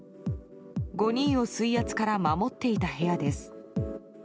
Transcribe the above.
５人を水圧から守っていた部屋です。